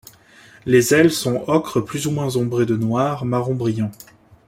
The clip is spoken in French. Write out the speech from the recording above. Les ailes sont ocre plus ou moins ombrées de noir marron brillant.